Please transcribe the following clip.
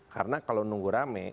karena kalau nunggu rame